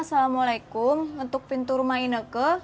assalamualaikum untuk pintu rumah ineke